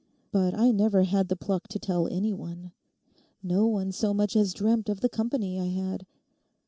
But I never had the pluck to tell any one. No one so much as dreamt of the company I had.